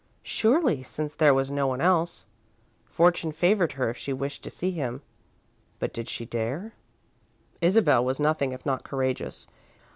Surely, since there was no one else. Fortune favoured her if she wished to see him. But did she dare? Isabel was nothing if not courageous.